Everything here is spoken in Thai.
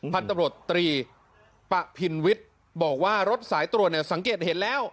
พันธุ์ตำรวจตรีปะพินวิทย์บอกว่ารถสายตรวจเนี่ยสังเกตเห็นแล้ว